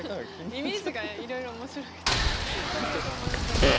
イメージがいろいろ面白くてツッコミどころ満載でした。